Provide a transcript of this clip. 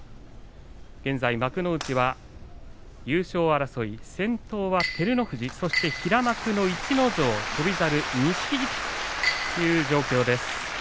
現在、幕内は優勝争い先頭は照ノ富士、そして平幕の逸ノ城、翔猿、錦木という状況です。